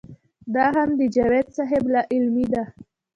دا هم د جاوېد صېب لا علمي ده